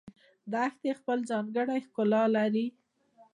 دښتې خپل ځانګړی ښکلا لري